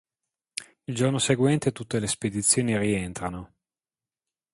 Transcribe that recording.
Il giorno seguente tutte le spedizioni rientrano.